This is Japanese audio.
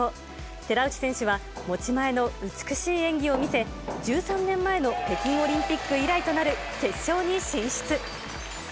寺内選手は持ち前の美しい演技を見せ、１３年前の北京オリンピック以来となる、決勝に進出。